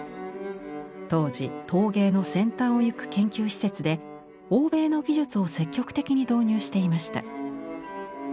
当時陶芸の先端をゆく研究施設で欧米の技術を積極的に導入していました。